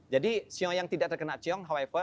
jadi siapa yang tidak terkena ciong